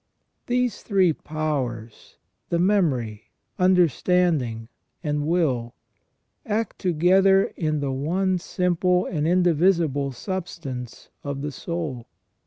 * These three powers, the memory, understanding, and will, act together in the one simple and indivisible substance of the soul.